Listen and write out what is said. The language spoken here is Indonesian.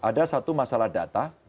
ada satu masalah data